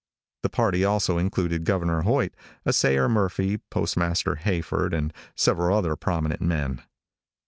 The party also included Governor Hoyt, Assayer Murphy, Postmaster Hayford, and several other prominent men.